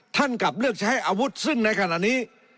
กลับเลือกใช้อาวุธซึ่งในขณะนี้